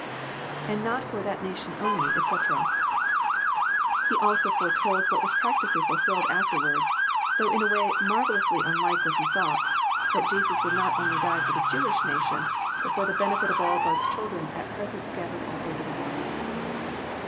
lAnd not for that nation only, etc,] And He also foretold what was practically ftilfiUed afterwards, though in a way marvellous ly unlike what he thought, — that Jesus would not only die for the Jewish nation, but for the benefit of all God's children at pres ent scattered all over the world.